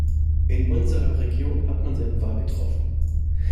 In unserer Region hat man seine Wahl getroffen.